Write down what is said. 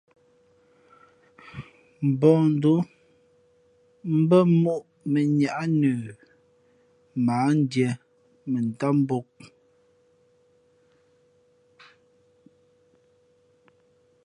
Mbᾱᾱndǒm mbᾱ mǒʼ mēnniáʼ nə mα ǎ ndiē mά ntám mbōk.